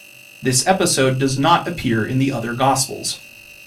This episode does not appear in the other Gospels.